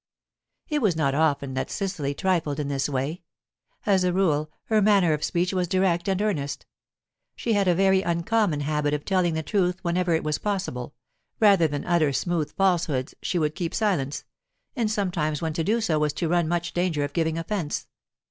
It was not often that Cecily trifled in this way. As a rule, her manner of speech was direct and earnest. She had a very uncommon habit of telling the truth whenever it was possible; rather than utter smooth falsehoods, she would keep silence, and sometimes when to do so was to run much danger of giving offence.